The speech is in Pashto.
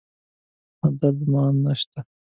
نه درد مان شته